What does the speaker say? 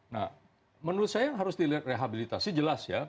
nah menurut saya yang harus dilihat rehabilitasi jelas ya